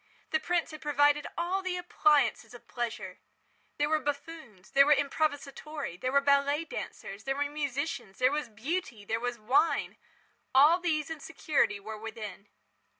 The prince had provided all the appliances of pleasure. There were buffoons, there were improvisatori, there were ballet dancers, there were musicians, there was Beauty, there was wine. All these and security were within.